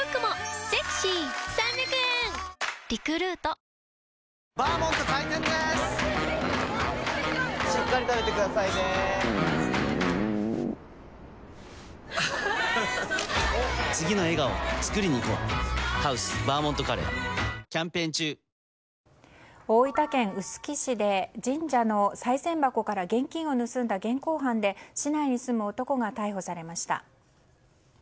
血圧１３０超えたらサントリー「胡麻麦茶」大分県臼杵市で神社のさい銭箱から現金を盗んだ現行犯で市内に住む男が逮捕されました。